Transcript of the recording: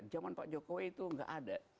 jaman pak jokowi itu gak ada